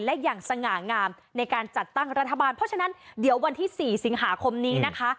และอย่างสง่างามในการจัดตั้งรัฐบาลเพราะฉะนั้นเดี๋ยววันที่๔สิงหาคมนี้นะคะ